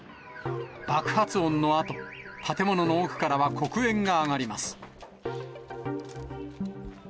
爆発音のあと、建物の奥からは黒煙が上がります。